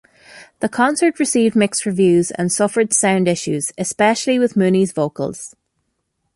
The concert received mixed reviews and suffered sound issues, especially with Mooney's vocals.